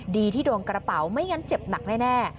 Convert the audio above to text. ที่โดนกระเป๋าไม่งั้นเจ็บหนักแน่